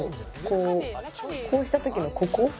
こうこうした時のここ。